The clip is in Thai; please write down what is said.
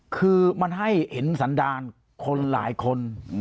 คือมันให้เห็นสันดาลคนหลายคน